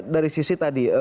dari sisi tadi